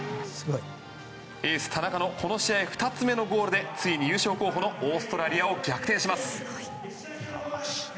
エース田中のこの試合２つ目のゴールでついに優勝候補のオーストラリアを逆転します。